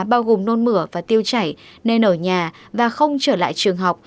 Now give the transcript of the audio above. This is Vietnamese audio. bao gồm nôn mửa và tiêu chảy nên ở nhà và không trở lại trường học